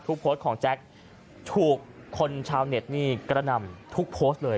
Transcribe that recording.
โพสต์ของแจ๊คถูกคนชาวเน็ตนี่กระหน่ำทุกโพสต์เลย